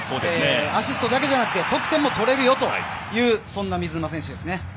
アシストだけじゃなくて得点も取れるよというそんな水沼選手ですね。